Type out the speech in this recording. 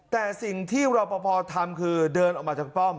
แต่สิ่งที่รอปภทำคือเดินออกมาจากป้อม